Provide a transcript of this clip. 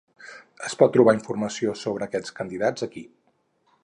Es pot trobar informació sobre aquests candidats aquí.